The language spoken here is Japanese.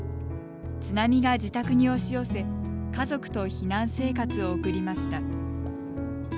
津波が自宅に押し寄せ家族と避難生活を送りました。